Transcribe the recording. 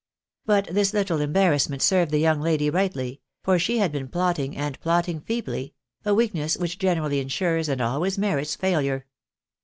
, But this little embarrassment served the young lady rightly ; for she had been plotting, and plot ting feebly — a weakness which generally insures, and always merits, failure.